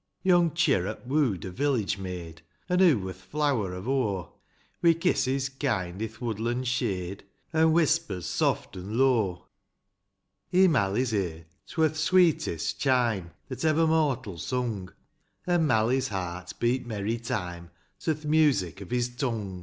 V. Young Chirrup woo'd a village maid, — An' hoo wur th' flower ov o', — Wi' kisses kind, i'th woodlan' shade, An' whispers soft an' low ; r Mally's ear twur th' sweetest chime That ever mortal sung ; An' Mally's heart beat merry time To th' music ov his tung.